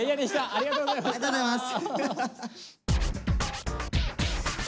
ありがとうございます！